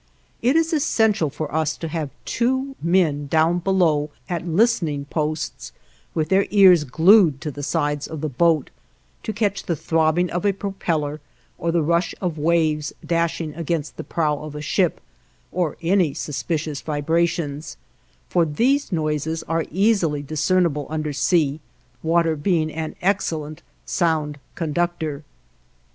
It is essential for us to have two men down below, at listening posts, with their ears glued to the sides of the boat, to catch the throbbing of a propeller, or the rush of waves dashing against the prow of a ship, or any suspicious vibrations, for these noises are easily discernible under sea, water being an excellent sound conductor.